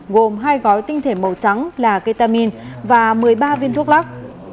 gồm hai gói tinh thể màu trắng là ketamin và một mươi ba viên thuốc lắc